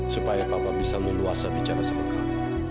supaya papa bisa meluasa bicara sama kamu